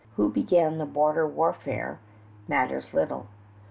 Who began the border warfare matters little.